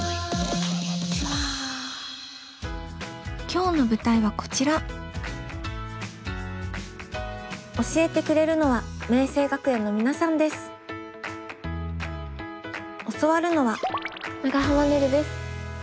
今日の舞台はこちら教えてくれるのは教わるのは長濱ねるです。